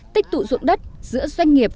tích tụ dụng đất giữa doanh nghiệp